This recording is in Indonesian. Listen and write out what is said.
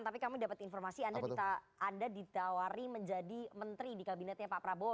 tapi kami dapat informasi anda ditawari menjadi menteri di kabinetnya pak prabowo